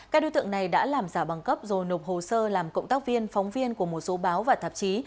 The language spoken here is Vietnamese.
các đối tượng này đã làm giả băng cấp rồi nộp hồ sơ làm cộng tác viên phóng viên của một số báo và tạp chí